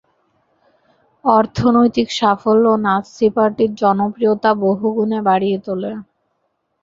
অর্থনৈতিক সাফল্য নাৎসি পার্টির জনপ্রিয়তা বহুগুণে বাড়িয়ে তোলে।